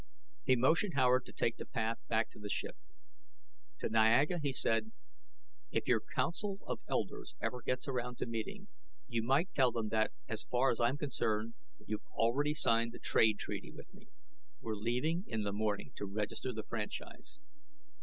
He motioned Howard to take the path back to the ship. To Niaga he said, "If your council of elders ever gets around to meeting, you might tell them that, as far as I'm concerned, you've already signed the trade treaty with me. We're leaving in the morning to register the franchise."